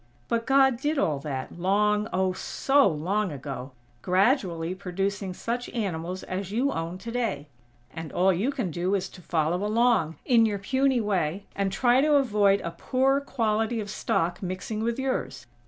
But God did all that, long, oh, so long ago; gradually producing such animals as you own today; and all you can do is to follow along, in your puny way, and try to avoid a poor quality of stock mixing with yours.